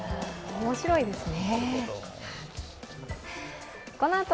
面白いですね。